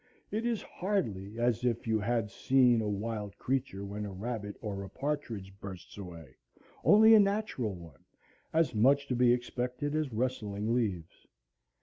It is hardly as if you had seen a wild creature when a rabbit or a partridge bursts away, only a natural one, as much to be expected as rustling leaves.